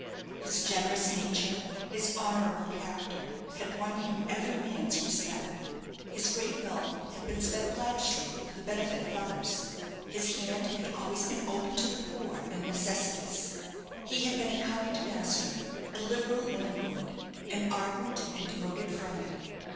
His generous nature, his honourable character, had won him every man's respect. His great wealth had been spent lavishly for the benefit of others. His hand had always been open to the poor and necessitous. He had been a kind master, a liberal landlord, an ardent and devoted friend.